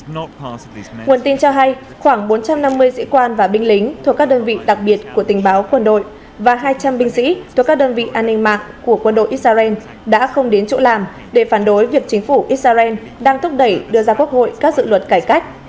nguồn tin cho hay khoảng bốn trăm năm mươi sĩ quan và binh lính thuộc các đơn vị đặc biệt của tình báo quân đội và hai trăm linh binh sĩ thuộc các đơn vị an ninh mạng của quân đội israel đã không đến chỗ làm để phản đối việc chính phủ israel đang thúc đẩy đưa ra quốc hội các dự luật cải cách